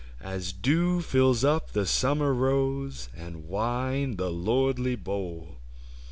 As dew fills up the summer rose And wine the lordly bowl